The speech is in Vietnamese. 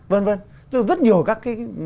vân vân rất nhiều các cái